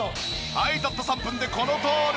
はいたった３分でこのとおり！